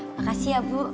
makasih ya bu